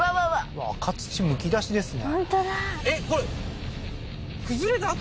うわ赤土むき出しですね